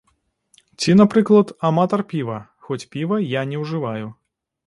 Ці, напрыклад, аматар піва, хоць піва я не ўжываю.